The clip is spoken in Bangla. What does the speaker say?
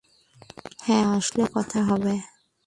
হ্যাঁ, আসলে কথা হবে।